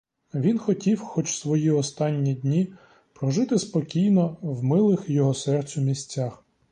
Він хотів хоч свої останні дні прожити спокійно в милих його серцю місцях.